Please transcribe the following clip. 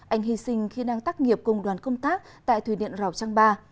anh hy sinh khi đang tác nghiệp cùng đoàn công tác tại thủy điện rào trang ba